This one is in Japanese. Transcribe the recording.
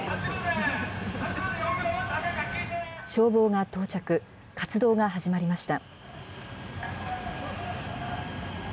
消防が到着、活動が始まりました。